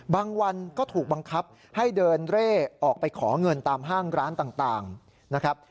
วันก็ถูกบังคับให้เดินเร่ออกไปขอเงินตามห้างร้านต่างนะครับ